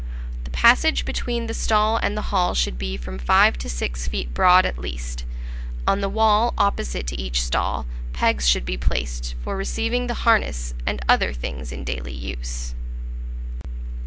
The passage between the stall and the hall should be from five to six feet broad at least; on the wall, opposite to each stall, pegs should be placed for receiving the harness and other things in daily use.